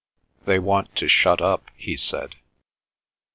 "They want to shut up," he said.